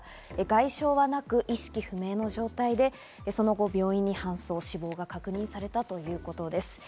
外傷はなく意識不明の状態でその後、病院に搬送、死亡が確認されたということです。